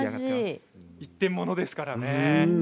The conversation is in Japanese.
一点物ですからね。